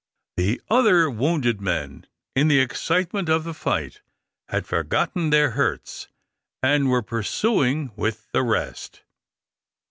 The other wounded men, in the excitement of the fight, had forgotten their hurts, and were pursuing with the rest.